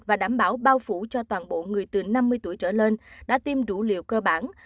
và đảm bảo bao phủ cho toàn bộ người từ năm mươi tuổi trở lên đã tiêm đủ liều cơ bản